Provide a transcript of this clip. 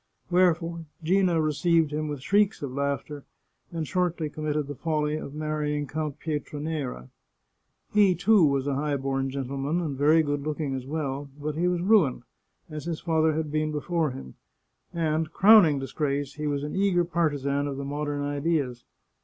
Wherefore Gina received him with shrieks of laughter, and shortly committed the folly of mar rying Count Pietranera. He, too, was a high born gentle man, and very good looking as well, but he was ruined, as his father had been before him, and — crowning disgrace !— he was an eager partisan of the modern ideas!